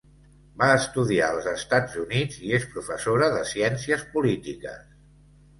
Va estudiar als Estats Units i és professora de ciències polítiques.